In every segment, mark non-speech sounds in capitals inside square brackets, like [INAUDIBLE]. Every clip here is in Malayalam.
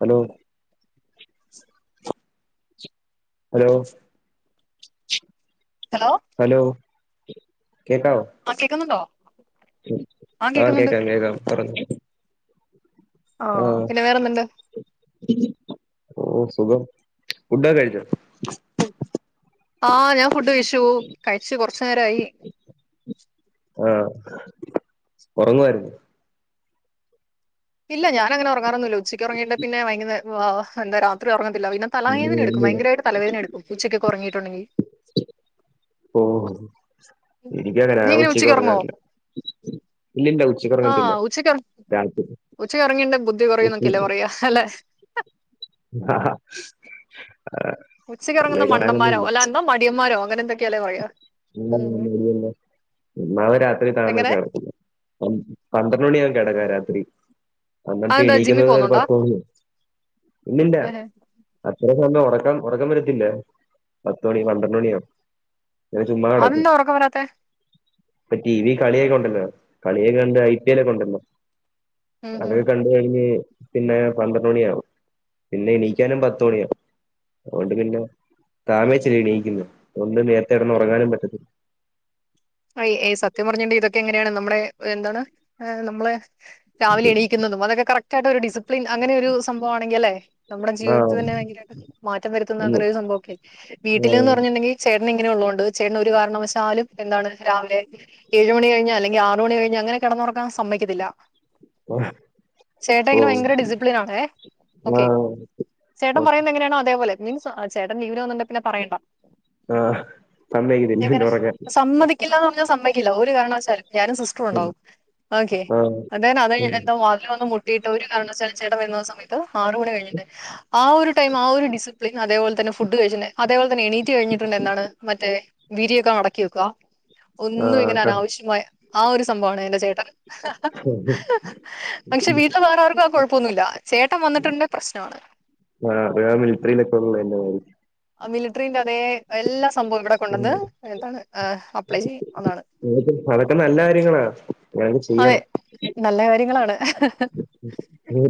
ഹലോ ഉ. ഹലോ ഹലോ ഹലോ കേക്കാവോ. ആഹ് കേക്ക്ന്നുണ്ടോ. ആഹ് കേക്കാം കേക്കാം പറഞ്ഞൊ. ആ ആഹ് പിന്നെ വേറെന്തുണ്ട് ഓഹ് സുഖം ഫുഡൊക്കെ കഴിച്ചോ? ആഹ് ഞാൻ ഫുഡ് കഴിച്ചു കഴിച്ച് കൊറച്ച് നേരായി. ആഹ് ഒറങ്ങുവയിരുന്നോ. ഇല്ല ഞാനങ്ങനെ ഒറങ്ങാറാെന്നുല്ല ഉച്ചക്ക് ഒർങ്ങിയിട്ട് പിന്നെ വൈകുന്നേ എന്താ രാത്രി ഒറങ്ങത്തില്ല പിന്നെ തലവേദന എടുക്കും ഭയങ്കമായിട്ട് തലവേദനടുക്കും ഉച്ചക്കെക്കെ ഒർങ്ങീട്ടുണ്ടങ്കി ഓഹ് എനിക്ക് അങ്ങനെ ഞാൻ ഉച്ചയ്ക്ക് ഒറങ്ങാറില്ല ഇല്ലില്ല ഉച്ചക്ക് ഒറങ്ങത്തില്ല ആഹ് ഉച്ചക്ക് രാത്രി ഉച്ചക്ക് ഒറങ്ങീണ്ടെ ബുദ്ധി കൊറയുംന്നൊക്കല്ലേ പറയാ അല്ലെ ആഹ് ആഹ് ഉച്ചക്ക്ഒറങ്ങുന്ന മണ്ടന്മാരാവും അല്ലാ എന്താ മടിയൻമാരോ അങ്ങനെന്തക്ക് [UNINTELLIGIBLE] നാളെ രാത്രി എങ്ങനെ താമസ്ച്ചാ കെടക്കുന്നെ പന്ത്രണ്ട് മണിയാകും കെടക്കാൻ രാത്രി എന്നിട്ട് അതെന്താ ജിമ്മിൽ എണീക്കുന്നത് ഒരു പോകുന്നുണ്ടാ പത്ത് മണി ഇല്ലല്ല ഏഹ്. അത്ര സമയം ഒറക്കാൻ ഒറക്കം വരത്തില്ല പത്ത്മണി പന്ത്രണ്ട് മണിയാവും ഇങ്ങനെ ച്ചുമ്മാ കടക്കും അതെന്താ ഉറക്കം വരാത്തെ ഇപ്പൊ ടി വി കളിയൊകെ ഉണ്ടല്ലോ കളിയെക്കെകണ്ട് ഐ പി എല്ലൊക്കെ ഉണ്ടല്ലോ ഉം ഉം അതൊകെ കണ്ട് ത് കഴിഞ്ഞ് പിന്നെ പന്ത്രണ്ട് മണിയാവും പിന്നെ എണീക്കാനും പത്ത് മണിയാവും അഓണ്ട് പിന്നെ താമേച്ചാ എണീക്ക്ന്ന് അതോണ്ട് നേരത്തെ കെടന്ന് ഒറങ്ങാനും പറ്റത്തില്ല അയ് ഏഹ് സത്യം പറഞ്ഞാണ്ടെ ഇതൊക്കെ എങ്ങനെയാണ് നമ്മുടെ എന്താണ് ഏ് നമ്മളെ രാവിലെ എണീക്കുന്നതും അതൊക്കെ കറക്റ്റ് ആയിട്ട് ഒരു ഡിസിപ്ലിൻ അങ്ങനെ ഒരു സംഭവം ആണെങ്കി അല്ലെ നമ്മുടെ ജീവിതത്ത് ആഹ് തന്നെ ഭയങ്കരമായിട്ട് മാറ്റം വരുത്തുന്ന ഉം അങ്ങനൊരു സംഭവൊക്കെ വീട്ടില് ന്ന് ആഹ് പറഞ്ഞ്ണ്ടെങ്കി ചേട്ടനിങ്ങനെ ഉള്ളോണ്ട് ചേട്ടന് ഒരു കാരണവശാലും എന്താണ് രാവിലെ ഏഴ് മണി കഴിഞ്ഞാ അല്ലെങ്കി ആറ് മണി കഴിഞ്ഞാ അങ്ങനെ കെടന്നാെറങ്ങാൻ സമ്മയ്ക്കത്തില്ല ഓ ചേട്ടഇങ്ങനെ ഭയങ്കര ഡിസിപ്ലിൻ ആണ് ഏഹ് ഓക്കെ ആഹ് ചേട്ടൻ ഓക്കെ പറയുന്ന എങ്ങനെയാണോ അതേപോലെ മീൻസ് ആ ചേട്ടൻ ലീവിനു വന്നുണ്ട പിന്നെ പറയണ്ട ആഹ് സമ്മതിക്കത്തില്ല പിന്നെ എങ്ങനെ ഉറങ്ങാൻ സമ്മതിക്കില്ലാന്ന് പർഞ്ഞാ സമ്മയ്ക്കില്ല ഒരു കാരണവശാലും ഞാനും സിസ് പ്പൂണ്ടാവും ഓക്കെ ആഹ് അതാണ് അതയ്ഞാ ഉം എന്താവും വാതില് വന്ന് മുട്ട് ട്ടീട്ട് ഒരു കാരണവശാലും ചേട്ടൻ വര്ന്ന സമയത്ത് ആറു മണികഴിട്ട്ണ്ട് ആ ഒരു ടൈം ആ ഒരു ഡിസിപ്ലിൻ അതേപോൽതന്നെ ഫുഡ് കഴിച്ചിണ്ടെ അതേപോൽതന്നെ എണീറ്റ് കഴിഞ്ഞിട്ടുണ്ട് എന്താണ് മറ്റേ വിരിയൊക്കെ മടക്കി വെക്കാ ഒന്നും ഇങ്ങനെ ആഹ് അനാവശ്യമായ ആ ഒരു സംഭവമാണ് എന്റെ ചേട്ടൻ പക്ഷെ വീട്ടിൽ വേറാർക്കും ആ കാെഴപ്പൊന്നും ഇല്ല ചേട്ടൻ വന്ന്ട്ടുണ്ടെ പ്രശ്നമാണ് ആഹ് അത് ആ മിൽട്ടറിയിലൊക്കെ ഉള്ളന്നെആവും ആ മിലിട്രീന്റെ അതേ എല്ലാ സംഭവൊം ഇവിടെ കൊണ്ടന്ന് എന്താണ് അപ്ലൈ ചെയ്യും അതാണ് ക്ക്ത് അതൊക്കെ നല്ല കാര്യങ്ങളാ ഇങ്ങനെക്കെ അതെ ചെയ്യണം നല്ല കാര്യങ്ങളാണ്.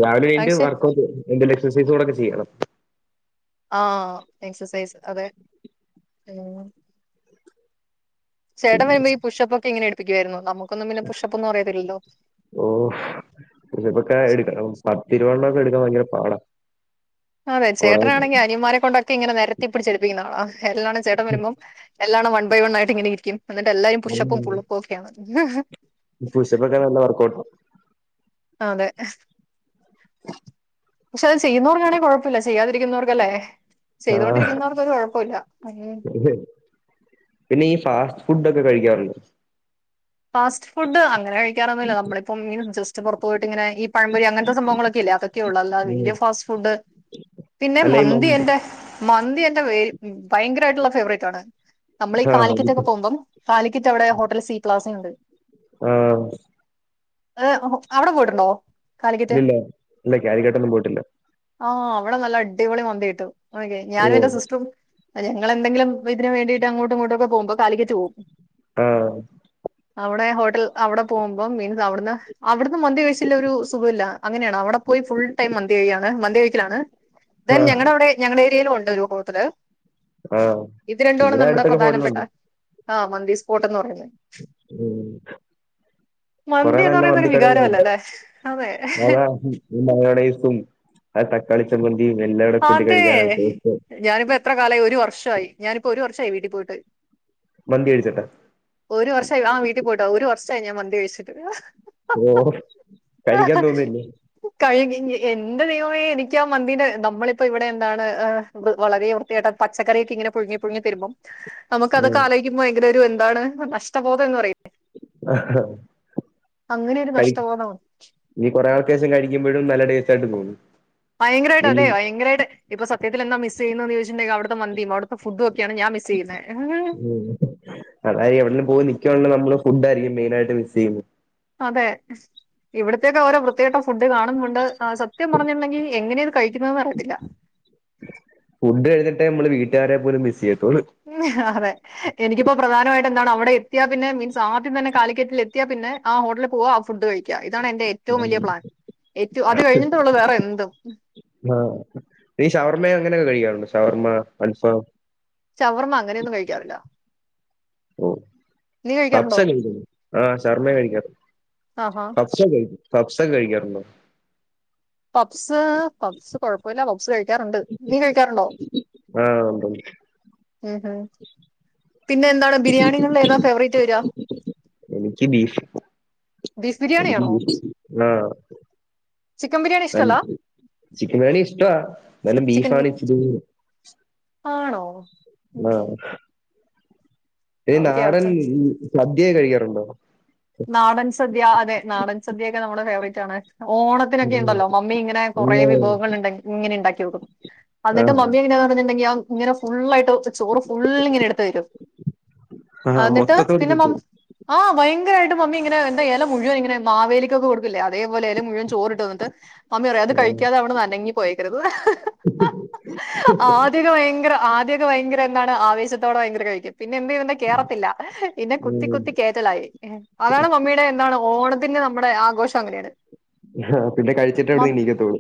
രാവിലെ എണീറ്റ് പക്ഷെ വർക്കഔട്ട് എന്തേലും എക്സൈസുകളൊക്കെ ചെയ്യണം ആഹ് എക്സസൈസ് അതെ ഉം ചേട്ടൻ വരുമ്പോ ഈ പുഷപ്പൊക്കെ ഇ ങ്ങനെ എടുപ്പിക്കുവായിരുന്നു നമുക്കൊന്നും പിന്നെ പുഷപ്പൊന്നും അറിയത്തില്ലല്ലോ ഓഹ് പുഷപ്പൊക്കെ എട്ക്കണം പത്തിരുവണ്ണാെക്കെ എട്ക്കാൻ ഭയങ്കര പാടാ അതെ കൊറേ ചേട്ടനാണെങ്കി അനിയമാരെ കൊണ്ടൊക്കെ ഇങ്ങനെ നെരത്തിപ്പിടിച് എടുപ്പിക്കുന്നാളാ എല്ലാടെം ചേട്ടൻ വരുമ്പോ എല്ലാണം വൺ ബൈ വൺ ആയിട്ട് ഇങ്ങനെ ഇരിക്കും എന്നിട്ട് എല്ലാരും പുഷപ്പും പുള്ളപ്പും ഒക്കെയാണ് പുഷപ്പൊക്കെ നല്ല വർക്കൗഔട്ടാ അതെ [INAUDIBLE] പക്ഷെ അത് ചെയ്യുന്നവർക്കാണെങ്കി കാെഴപ്പല്ല ചെയ്യാതിരിക്കുന്നവർക്കല്ലേ ആഹ് ചെയ്തോണ്ടിരിക്കുന്നവർക്ക് ഒരു കൊഴപ്പോം ഇല്ല പിന്നെ ഈ ഫാസ്റ്റ് ഫുഡ് ഒക്കെ കഴിക്കാറുണ്ടോ ഫാസ്റ്റ് ഫുഡ് അങ്ങനെ കഴിക്കാറൊന്നുല്ല നമ്മളിപ്പം ഇങ്ങനെ ജസ്റ്റ്പൊറത്ത് പോയിട്ട് ഇങ്ങനെ ഈ പഴംമ്പൊരി അങ്ങൻത്തെ സംവങ്ങളൊക്കെ ഇല്ലേ അതൊക്കെയ ഒള്ളൂ അല്ലാതെ ഉം. വല്ല്യ ഫാസ്റ്റ് ഫുഡ് പിന്നെ അല്ല ഈ മന്തി എൻ്റെ മന്തി എന്റെ ഭയങ്കരായിട്ടുള്ള ഫേവറേറ്റ് ആണ് നമ്മളീ ആഹ് കാലിക്കറ്റൊക്കെ പോകുമ്പം കാലിക്കറ്റ് അവിടെ ഹോട്ടൽ സി പ്ലാസുണ്ട് ആഹ് ഏഹ് അവിടെ പോയിട്ടുണ്ടോ? കാലിക്കറ്റ് ഇല്ലില്ല ഇല്ല കാലിക്കറ്റൊന്നും പോയിട്ടില്ല ആഹ് അവിടെ നല്ല അടിപൊളി മന്തി കിട്ടും ഞാനും ഓഹ് എൻ്റെ സിസ്റ്ററും ആഹ് ഞങ്ങളെന്തങ്കിലും ഇതിന് വേണ്ടീട്ട് അങ്ങോട്ടും ഇങ്ങോട്ടോക്കെ പോകുമ്പോ കാലിക്കറ്റു പോവും ആഹ് അവിടെ ഹോട്ടൽ അവിടെ പോകുമ്പം മീൻസ് അവിടുന്ന് അവിടുന്ന് മന്തി കഴിച്ചില്ലേൽ ഒരു സുഖവില്ല അങ്ങനെയാണ് അവിടെ പോയി ഫുൾ ടൈം മന്തി കഴിയാണ് മന്തി കഴിക്കലാണ് [INAUDIBLE] ധെൻ ഞങ്ങളവ്ടെ ഞങ്ങളെ ഏരിയയിലും ഉണ്ട് ഒരു ഹോട്ടല് ആഹ് ഇത് രണ്ടുവാണ് ഇവിടെ നമ്മുടെ അടുത്തൊക്കെ പ്രധാനപ്പെട്ട ഹോട്ടലുണ്ട് ആഹ് മന്തി സ്പോട്ട് എന്ന് പറയുന്നത് ഉം കൊറേ മന്തി എന്ന് നല്ല പറയുന്നത് ഒരു മന്തിക്കട വികാരമല്ല [UNINTELLIGIBLE] അല്ലേ അതെ അതാ ഒരു മയോണൈസും ആ തക്കാളി ചമ്മന്തിയും എല്ലാ കൂടെ കൂട്ടി അതെ കഴിക്കാനാണ് സൂപ്പർ ഞാനിപ്പോ എത്ര കാലായി ഒരു വർഷവായി ഞാനിപ്പോ ഒരു വർഷായി വീട്ടി പോയിട്ട് മന്തി കഴിച്ചിട്ടാ? ഒരു വർഷായി ആ വീട്ടി പോയിട്ട് ഒരു വർഷായി ഞാൻ മന്തി കഴിച്ചിട്ട് ഓഹോ കഴിക്കാൻ തോന്നില്ലേ? കഴിയ്ക്ക് എൻ്റെ ദൈവമേ എനിക്ക് ആ മന്തീൻ്റെ ന നമ്മളിപ്പം ഇവിടെ എന്താണ് വളരെ വൃത്തികെട്ട പച്ചക്കറിയൊക്കെ ഇങ്ങനെ പുഴുങ്ങി പുഴുങ്ങി തരുമ്പം ഉം നമുക്കതൊക്കെ ആലോയിക്കുമ്പം ഭയങ്കരൊരു എന്താണ് നഷ്ട ബോധം എന്ന് പറയില്ലേ ആഹ് ആഹ് അങ്ങനെ ഒരു കൈ നഷ്ടബോധം ഇനി കൊറേ നാൾക്കേശം കഴിക്കുമ്പഴും നല്ല ടേസ്റ്റായിട്ട് തോന്നും ഭയങ്കരമായിട്ട് ഇനി അതെ ഭയങ്കരായിട്ട് ഇപ്പോ സത്യത്തിലെന്ത മിസ് ചെയ്യുന്നേന്ന് ചോയിച്ച്ണ്ടെങ്കില് അവിടുത്തെ മന്തി ഫുഡു ഒക്കെയാണ് ഞാൻ മിസ് ചെയ്യുന്നെ അതാ ഈ എവിടലും പോയി നിക്കുവാണെന്നുള്ളേ നമ്മള് ഫുഡ്ഡായിരിക്കും മെയിനായിട്ട് മിസ് ചെയ്യുന്നെ അതെ ഇവിടത്തെക്കെ ഓരോ വൃത്തികെട്ട ഫുഡ് കാണുന്നുണ്ട് ആ സത്യം പറഞ്ഞിട്ടുണ്ടെങ്കി എങ്ങനെയാ ഇത് കഴിക്കുന്നെന്ന് അറിയത്തില്ല ഫുഡ് കഴിഞ്ഞിട്ടേ നമ്മള് വീട്ടുകാരെ പോലും മിസ് ചെയ്യത്തൊള്ളൂ അതെ എനിക്കിപ്പോ പ്രധാനമായിട്ട് എന്താണ് അവിടെ എത്തിയാ പിന്നെ മീൻസ് ആദ്യം തന്നെ കാലിക്കറ്റില് എത്തിയാ പിന്നെ ആ ഹോട്ടലി പോവാ ആ ഫുഡ് കഴിക്ക ഇതാണ് എന്റെ ഏറ്റവും വല്യ പ്ലാൻ ഏറ്റവും അത് കഴിഞ്ഞിട്ടേ ഒള്ളു വേറെ എന്തും ആഹ് നീ ഷവർമ്മയോ അങ്ങനെയൊക്കെ കഴിക്കാറുണ്ടോ? ഷവർമ്മ, അൽഫാം ഷവർമ്മ അങ്ങനെയൊന്നും കഴിക്കാറില്ല ഓഹ് നീ കഫ്സ കഴിക്കാറുണ്ടോ കഴിക്കോ? ആഹ് ഷവർമ്മ ഞാൻ കഴിക്കാറുണ്ട് ആഹാ കഫ് ‌സോക്കെ കഴിക്കാ? കഫ്സൊക്കെ കഴിക്കാറുണ്ടോ? പബ്സ് പബ്സ് കൊഴപ്പയില്ല പബ്സ് കഴിക്കാറുണ്ട് നീ കഴിക്കാറുണ്ടോ? ആഹ് ഉണ്ട് ഉണ്ട് ഉം ഹും പിന്നെന്താണ് ബിരിയാണികളില് ഏതാണ് ഫേവറേറ്റ് വരിക? എനിക്ക് ബീഫ് ബീഫ് എനിക്ക് ബിരിയാണിയാണോ ബീഫിശ്ട്ടം ആഹ്, ചിക്കൻ ബരിയാണി ചിക്കൻ ബിരിയാണി ഇഷ്ടവാ എന്നാലും ചിക്കൻ ബീഫാണ് ഇച്ചിരി കൂടി ആണോ ആഹ് ഈ ഓക്കെ നാടൻ ഓക്കെ സദ്യക്കെ കഴിക്കാറുണ്ടോ? നാടൻ സദ്യാ അതെ നാടൻ സദ്യാ ഒക്കെ നമ്മുടെ ഫേവറേറ്റ് ആണ് ഓണ ത്തിനൊക്കെ ഇണ്ടല്ലോ മമ്മി ഇങ്ങനെ കൊറെ വിഭവങ്ങൾണ്ട ഇങ്ങനെ ഇണ്ടാക്കി വെക്കും അന്നിട്ട് ആഹ് മമ്മി ഇങ്ങനെ പറഞ്ഞട്ട്ണ്ടെങ്കി ഇങ്ങനെ ഫുള്ളായി ട്ട് ചോറ് ഫുള്ള് ഇങ്ങനെ എടുത്ത് തരും ആഹ് എന്നിട്ട് മൊത്തത്തോട് പിന്നെ മ കിട്ടും ആഹ് ഭയങ്കരായ്ട്ട് മമ്മി ഇങ്ങനെ എന്താ ഇല മുഴുവൻ ഇങ്ങനെ മാവേലിക്കൊക്കെ കൊടുക്കില്ലേ അതേപോലെ മുഴുവൻ ചോറിട്ട് തന്നിട്ട് മമ്മി പറയും അത് കഴിക്കാതെ അവ്ട്ന്നനങ്ങി പോയെക്കരുത് ആദ്യക്കെ ഭയങ്കര ആദ്യൊകെ ഭയങ്കര എന്താണ് ആവേശത്തോടെ ഭയങ്കര കഴിക്കും പിന്നെ എന്ത് ചെയ്യ കേറത്തില്ല പിന്നെ കുത്തി കുത്തി കേറ്റലായി അതാണ് മമ്മീടെ എന്താണ് ഓണത്തിന്റെ നമ്മുടെ ആഘോഷം അങ്ങനെയാണ് ആഹ് പിന്നെ കഴിച്ചിട്ടേ അവിടുന്ന് എണീക്കത്തൊള്ളൂ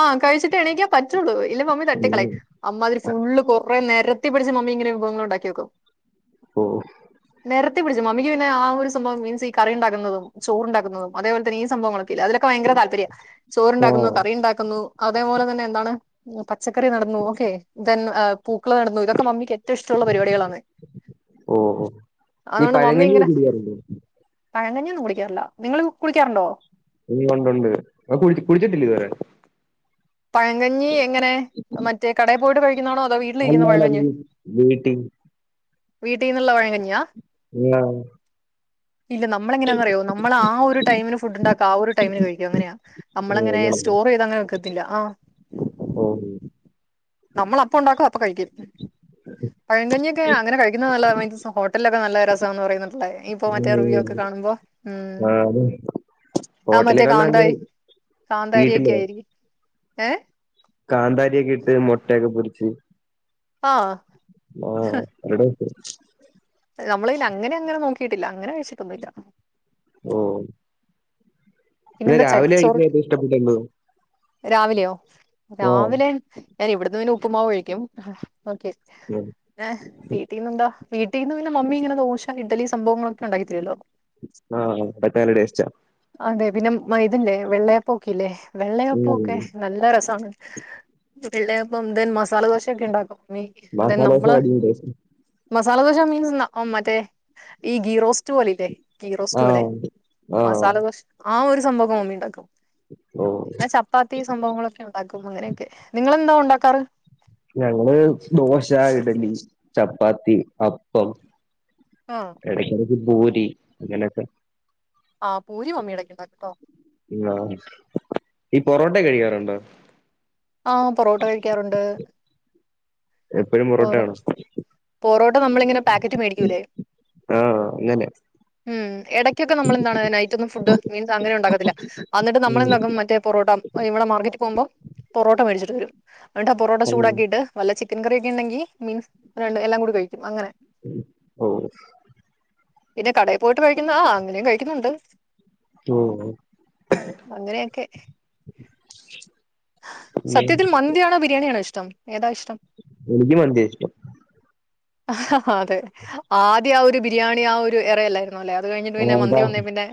ആഹ് കഴിച്ചിട്ടേ എണീക്കാൻ പറ്റൂള്ളൂ ഇല്ല മമ്മി ഉം തട്ടിക്കളയും അമ്മ അതിൽ ഫുള്ള് കൊറെ നിരത്തി പിടിച്ച് മമ്മി ഇങ്ങനെ വിഭവങ്ങൾ ഉണ്ടാക്കി വെക്കും ഓഹ് നെരത്തി പിടിച്ചു മമ്മിക്ക് പിന്നെ ആ ഒരു സംഭവം മീൻസ് ഈ കറി ഉണ്ടാക്കുന്നതും ചോറുണ്ടാക്കുന്നതും അതേപോലെന്നെ ഈ സംഭവങ്ങളൊക്ക ഇല്ലെ അതിനൊക്കെ ഭയങ്ക താല്പര്യ ചോറ്ണ്ടാക്കുന്നു, ആഹ് കറി ഉണ്ടാക്കുന്നു, അതേപോലെ തന്നെ എന്താണ് പച്ചക്കറി നടുന്നു ഒക്കെ തൻ പൂക്കള് നടുന്നു ഇതൊക്കെ മമ്മിക്ക് ഏറ്റവും ഇഷ്ടള്ള പരിപാടികളാണ് ഓഹ് ഓഹ് ഈ പഴങ്കഞ്ഞി കുടിക്കാറില്ലെ? പഴങ്കഞ്ഞി ഒന്നുംകുടിക്കാറില്ല നിങ്ങള് കുടിക്കാറുണ്ടോ? ഉണ്ട് ണ്ട് കു കുടിച്ചിട്ടില്ലെ ഇതുവരെ? പഴങ്കഞ്ഞി എങ്ങനെ മറ്റേ കടയിൽ പോയിട്ട് കഴിക്കുന്നതാണോ അതോ വീട്ട അല്ലാല വ് വീട്ടിൽ വീട്ടീന്നുള്ള പഴങ്ങഞ്ഞിയാ ആഹ് ഇല്ല നമ്മളെങ്ങനാന്നറിയോ നമ്മളാ ഒരു ടൈമിന് ഫുഡ് ഉണ്ടാക്ക ആ ഒരുടൈമിന് കഴിക്കും അങ്ങനെയ നമ്മളങ്ങനെ അങ്ങനല്ലേ സ്റ്റോർ ചെയ്ത് അങ്ങനെ വെക്കത്തില്ല ആഹ് ഓഹ് നമ്മള് അപ്പൊ ഉണ്ടാക്കും അപ്പൊ കഴിക്കും ഉം പഴങ്കഞ്ഞിയൊക്കെ അങ്ങനെ കഴിക്കുന്ന നല്ല മീൻസ് ഹോട്ടലൊക്കെ നല്ല രസം എന്ന് പറയുന്നുണ്ടായ് ഇപ്പോ മറ്റേ റിവ്യൂ ഉം ഒക്കെ കാണ്മ്പോ ആഹ് അതെ ആഹ് മറ്റേ കാന്ത കാന്താരി വീട്ടില് ഒക്കെ ആയിരിക്ക ഏഹ് കാന്താരിയൊക്കെ ഇട്ട് മുട്ടയൊക്കെ പൊരിച്ച് ആഹ് ആഹ് വിടെ വെക്കും നമ്മളിന്നെ അങ്ങെനങ്ങനെ നോക്കിയിട്ടില്ല അങ്ങനെ കഴിച്ചിട്ടൊന്നുല്ല ഓഹ് ഇന്നെന്താ ചട്ടിച്ചോറ് കഴിക്കാൻ ഏറ്റവും ഇഷ്ടപ്പെട്ട എന്തുവാ രാവിലെയോ ആഹ് രാവിലെ ഞാൻ ഇവിടിന്ന് പിന്നെ ഉപ്പ്മാവ് ഒഴിക്കും ഓക്കെ ഉം ഏഹ് വീട്ടിന്ന് എന്താ വീട്ടീന്ന് പിന്ന മമ്മി ഇങ്ങനെ ദോശ ഇഡ്ഡലി സംഭവങ്ങളൊക്കെ ഇണ്ടാക്കി തരുല്ലോ ആഹ് പ്രത്യേക ടേസ്റ്റാ അതെ പിന്നെ മൈതല്ലെ വെള്ളയപ്പൊക്കെ ഇല്ലേ ഉം വെള്ളയപ്പൊക്കെ നല്ല രസാണ് വെള്ളയപ്പം ദെൻ മസാല ദോശയൊക്കെ ഇണ്ടാക്കും മെ തെ മസാല ദോശ നമ്മള് അടിപൊളി ടേസ്റ്റാ മസാലദോശ മീൻ മറ്റേ ഈ ഗീ റോസ്റ്റ് പോലെ ഇല്ലേ ഗീ റോസ്റ്റ് പോലെ ആഹ് ആഹ് മസാലദോശ് ആഹ് ഒരു സംഭവൊക്കെ മമ്മി ഇണ്ടാക്കും ഓഹ് പ്പാത്തി സംഭവങ്ങളൊക്കെ ഇണ്ടാക്കും അങ്ങനെക്കെ നിങ്ങളെന്താ ഉണ്ടാക്കാറ്? ഞങ്ങള് ദോശ, ഇഡലി, ചപ്പാത്തി, അപ്പം ആഹ് എടക്കെടക്ക് ഭൂരി അങ്ങനെക്കെ ആഹ് പൂരി മമ്മി എടക്ക് ഇണ്ടാക്കുട്ടോ ആഹ് ഈ പൊറോട്ടക്കെ കഴിക്കാറുണ്ടോ? ആഹ് പൊറോട്ട കഴിക്കാറുണ്ട്. എപ്പഴും പൊറോട്ട പൊറോ ആണോ? പൊറോട്ട നമ്മളിങ്ങനെ പാക്കറ്റ് മേടിക്കൂലെ ആഹ് അങ്ങനെ ഉം എടക്കൊക്കെ നമ്മള് എന്താണ് നൈറ്റ് ഒന്നും ഫുഡ് മീൻസ് അങ്ങനെ ഉണ്ടാകത്തില്ല അന്ന്ട്ട് നമ്മളെന്താക്കും മറ്റേ പൊറോട്ട അഹ് ഇവടെ മാർക്കറ്റിൽ പോവുമ്പോ പൊറോട്ട മേടിച്ചിട്ട് വരും എന്നിട്ടാ പൊറോട്ട ഉം ചൂടാക്കിട്ട് വല്ല ചിക്കൻ കറിയൊക്കെ ഇണ്ടെങ്കി മീൻസ് രണ്ട് എല്ലാം കൂടി കഴിക്കും അങ്ങനെ ഉം ഓഹ് പിന്നെ കടേ പോയിട്ട് കഴിക്കുന്ന ആഹ് അങ്ങനേം കഴിക്കുന്നുണ്ട് ഓ അങ്ങനെക്കെ സത്യത്തിൽ മന്തിയാണോ, ബിരിയാണിയാണോ ഇഷ്ടം ഏതാ ഇഷ്ടം? എനിക്ക് മന്തിയാ ഇഷ്ടം അതെ ആദ്യം ആഹ് ഒരു ബിരിയാണി ആഹ് ഒരു എറയല് ന്നുലേ അത് കഴിഞ്ഞിട്ട് പിന്നെ മന്തി വന്നേ പിന്നെ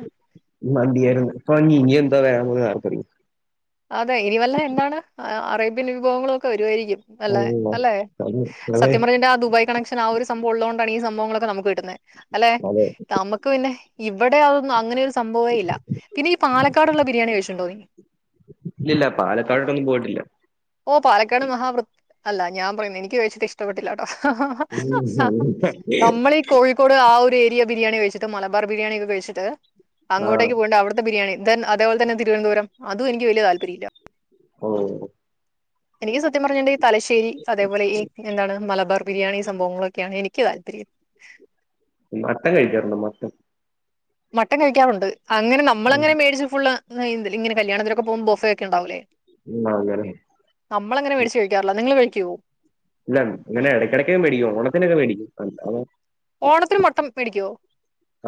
മന്തി ആണ് ഇപ്പം ഇനി എന്താ വരാം പോന്നേന്ന് ആർക്കറിയാം അതെ ഇനി വല്ല എന്താണ് അറേബ്യൻ വിഭവങ്ങളൊക്കെ വരുവായിരിക്കും നല്ലെ അള്ളാ അല്ലെ അതെ അതെ സത്യം പറഞ് കഴിഞ്ഞാ ആ ദുബായ് കണക്ഷ ആഹ് ഒരു സംഭവം ഉള്ളതോണ്ടാണ് ഈ സംഭവങ്ങളൊക്കെ നമുക്ക് കിട്ടുന്നേ അല്ലെ അതെ നമ്മക്ക് പിന്നെ ഇവിടെ അതൊന്നും അങ്ങനെ ഒരു സംഭവേ ഇല്ല പിന്നെ ഈ പാലക്കാടുള്ള ബിരിയാണി കഴിച്ചിട്ടുണ്ടോ നീ? ഇല്ലില്ല പാലക്കാടട്ടൊന്നും പോയിട്ടില്ല ഓഹ് പാലക്കാട് മഹാ വൃത് അല്ല ഞാൻ പറയുന്നു എനിക്ക് കഴിച്ചിട്ട് ഇഷ്ടപ്പെട്ടില്ല ഉം നമ്മളി കോഴിക്കോട് ആഹ് ഒരു ഏരിയ ബിരിയാണി കഴിച്ചിട്ട് മലബാർ ബിരിയാണി ഒക്കെ കഴിച്ചിട്ട് ആഹ് അങ്ങോട്ടേക്ക് പോയാണ്ട് അവിടുത്തെ ബിരിയാണി ദെൻ അതേപോലെ തന്നെ തിരുവനന്തപുരം അതും എനിക്ക് വല്ല്യ താല്പര്യല്ല ഓഹ് എനിക്ക് സത്യം പറഞ്ഞിട്ട്ണ്ടങ്കി ഈ തലശ്ശേരി അതേപോലെ ഈ എന്താണ് മലബാർ ബിരിയാണി സംഭവങ്ങളൊക്കെയാണ് എനിക്ക് താല്പര്യം മട്ടൻ കഴിക്കാറുണ്ടോ മട്ടൻ? മട്ടൻ കഴിക്കാറുണ്ട് അങ്ങനെ ഉം നമ്മളങ്ങനെ മേടിച്ച് ഫുളള് നെയ്ന്തില് ഇങ്ങനെ കല്യാണത്തിനൊക്കെ പോവുമ്പോ ബൊഫെക്കെ ഇണ്ടാവുലേ ആഹ് അങ്ങനെ നമ്മളങ്ങനെ മേടിച്ച് കഴിക്കാറില്ല നിങ്ങള് കഴിക്കോ? ഇല്ല ഇങ്ങനെ എടക്കെടക്ക് മേടിക്കും ഓണത്തിനൊക്കെ മേടിക്കും അല്ലാതെ ഓണത്തിന് മട്ടം മേടിക്കോ?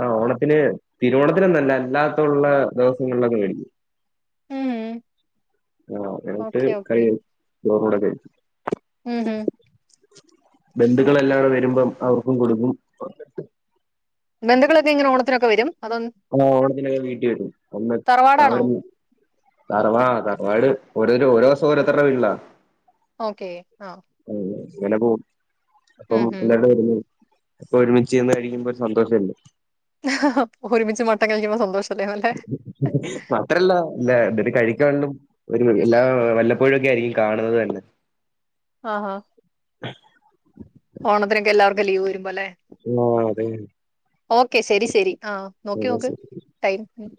ആഹ് ഓണത്തിന് തിരുവോണത്തിനൊന്നല്ല അല്ലാത്തുള്ള ദെവസങ്ങളിലൊക്കെ മേടിക്കും. ഉം ആഹ് എന്ന്ട്ട് ഓക്കെ ഓക്കെ കഴ് ചോറൂടെ കഴിക്കും. ഉം ഹും ബന്ധുക്കളെല്ലാരും വരുമ്പം അവർക്കും കൊടുക്കും എന്നിട്ട്. ബന്ധുക്കളൊക്കെ ഇങ്ങനെ ഓണത്തിനൊക്കെ വെരും. ഓ ഓണത്തിനൊക്കെ വീട്ടി വെരും അന്ന് തറവാടാണോ ആകി തറവാ ആ തറവാട് ഓരോരോ ഓരോസം ഓരോത്തറെ വീട്ട്ലാ ഓക്കേ ആഹ് ഉം ഇങ്ങനെ പോവും അപ്പം ഉം ഹും. ഇങ്ങാണ്ട് വെരുന്നേ പ്പൊ ഒരുമിച്ചിരിന്ന് കഴിക്കുമ്പോ ഒരു സന്തോഷല്ലേ? എഹ ഹോ ഒരുമിച്ച് മട്ടൻ കഴിക്കുമ്പൊ സന്തോഷം അ അല്ല ഞാ എന്ന്ട്ട് കഴിക്കാള്ളും ഒരു ള്ളാ വല്ലപ്പോഴൊക്കെ ആയിരിക്കും കാണുന്നത് തനെ. ആഹാ ഓണത്തിനൊക്കെ എല്ലാവർക്കും ലീവ് വെരുംബെ ലേ ആഹ് അതാണ് ഓക്കെ ശരി ശരി ആഹ നോക്കി നോക്ക് അതെ ടൈം മ്